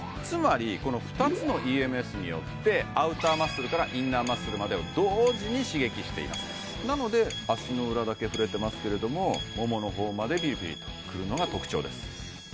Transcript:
つまりこの２つのＥＭＳによってアウターマッスルからインナーマッスルまでを同時に刺激していますなので足の裏だけ触れてますけれどもももの方までビリビリとくるのが特徴です